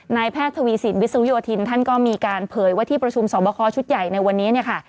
นายแพทย์ทวีสินวิศนุโยธินท่านก็มีการเผยว่าที่ประชุมสอบคอชุดใหญ่ในวันนี้เนี่ยค่ะ